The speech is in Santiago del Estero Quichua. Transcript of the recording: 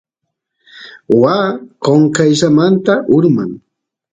waa qonqayllamanta urman